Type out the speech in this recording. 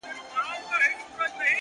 زما سره هغې نجلۍ بيا د يارۍ تار وتړی!